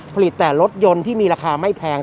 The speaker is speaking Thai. ผลิตแต่รถยนต์ที่มีราคาไม่แพง